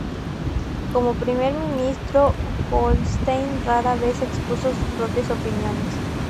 Como primer ministro, Holstein rara vez expuso sus propias opiniones.